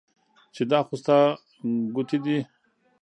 چې دا خو ستا ګوتې دي